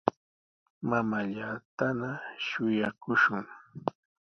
Mamaallatana shuyaakushun.